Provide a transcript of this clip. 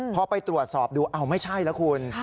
พอไปตรวจสอบดูอ้าวไม่ใช่แล้วคุณ